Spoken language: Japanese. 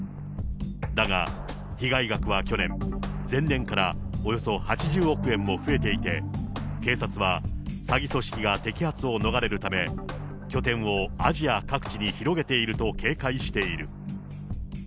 だが被害額は去年、前年からおよそ８０億円も増えていて、警察は詐欺組織が摘発を逃れるため、拠点をアジア各地に広げていると警戒している。